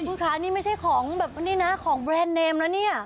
คุณคะนี่ไม่ใช่ของแบบนี้นะของแบรนด์เนมแล้วเนี่ย